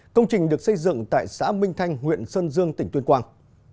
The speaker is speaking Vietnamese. công trình được xây dựng tại xã minh thanh huyện sơn dương tỉnh tuyên quang